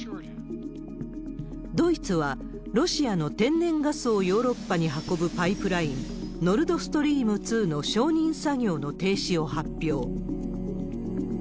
ドイツは、ロシアの天然ガスをヨーロッパに運ぶパイプライン、ノルドストリーム２の承認作業の停止を発表。